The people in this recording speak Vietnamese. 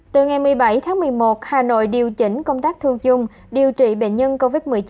từ ngày một mươi bảy tháng một mươi một hà nội điều chỉnh công tác thu dung điều trị bệnh nhân covid một mươi chín